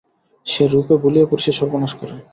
সে রূপে ভুলিয়ে পুরুষের সর্বনাশ করে।